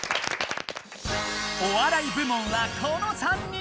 お笑い部門はこの３人！